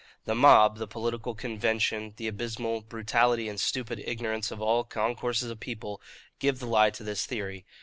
The mob, the political convention, the abysmal brutality and stupid ignorance of all concourses of people, give the lie to this theory.